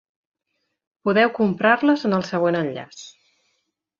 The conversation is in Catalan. Podeu comprar-les en el següent enllaç.